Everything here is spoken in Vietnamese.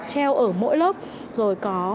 treo ở mỗi lớp rồi có